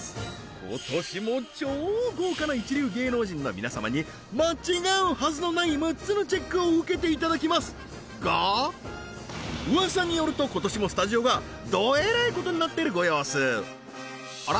今年も超豪華な一流芸能人の皆様に間違うはずのない６つのチェックを受けていただきますがうわさによると今年もスタジオがどえらいことになってるご様子あら？